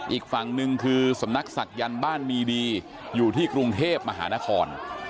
อีกฝั่งหนึ่งคือสำนักศักยันต์บ้านมีดีอยู่ที่กรุงเทพมหานคร